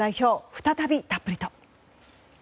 再び、たっぷりと。